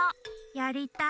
やりたい。